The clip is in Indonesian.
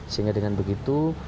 sehingga dengan begitu